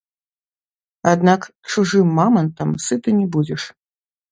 Аднак чужым мамантам сыты не будзеш!